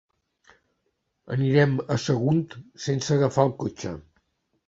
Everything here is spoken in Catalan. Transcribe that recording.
Anirem a Sagunt sense agafar el cotxe.